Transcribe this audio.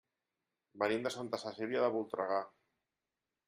Venim de Santa Cecília de Voltregà.